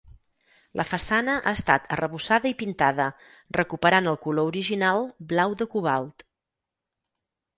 La façana ha estat arrebossada i pintada recuperant el color original blau de cobalt.